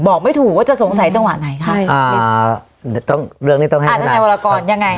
บอกไม่ถูกว่าจะสงสัยจังหวะไหนค่ะอ่าต้องเรื่องนี้ต้องให้ท่านท่านอ่าท่านท่านวรกรยังไง